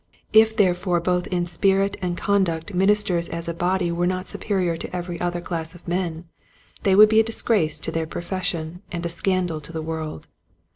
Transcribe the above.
If therefore both in spirit and conduct ministers as a body were not superior to every other class of men they would be a disgrace to their profession and a scandal to the world.